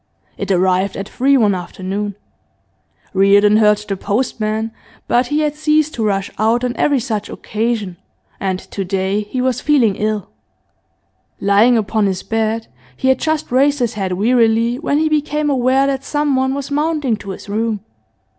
It arrived at three one afternoon; Reardon heard the postman, but he had ceased to rush out on every such occasion, and to day he was feeling ill. Lying upon the bed, he had just raised his head wearily when he became aware that someone was mounting to his room.